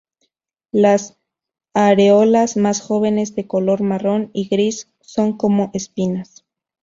Las areolas más jóvenes de color marrón y gris son como espinas.